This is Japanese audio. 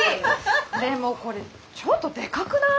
でもこれちょっとでかくない？